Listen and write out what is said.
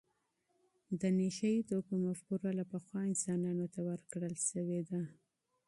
د نشه یې توکو مفکوره له پخوا انسانانو ته ورکړل شوې ده.